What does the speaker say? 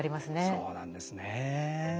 そうなんですね。